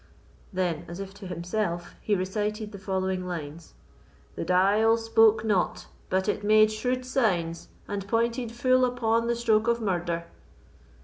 '" Then, as if to himself, he recited the following lines: "The dial spoke not, but it made shrewd signs, And pointed full upon the stroke of murder.